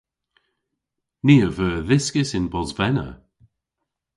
Ni a veu adhyskys yn Bosvena.